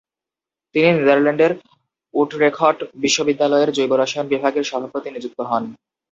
তিনি নেদারল্যান্ডের উটরেখট বিশ্ববিদ্যালয়ের জৈব রসায়ন বিভাগের সভাপতি নিযুক্ত হন।